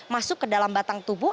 masuk ke dalam batang tubuh